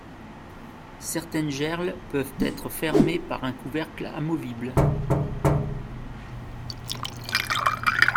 Certaines gerles peuvent être fermées par un couvercle amovible.